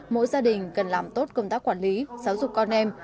mỗi gia đình cần làm tốt công tác quản lý giáo dục con em